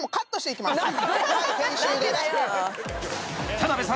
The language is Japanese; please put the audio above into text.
［田辺さん